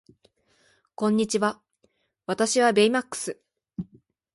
こんにちは私はベイマックス